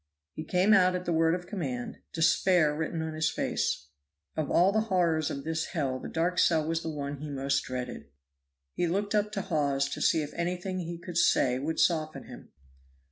He came out at the word of command, despair written on his face. Of all the horrors of this hell the dark cell was the one he most dreaded. He looked up to Hawes to see if anything he could say would soften him.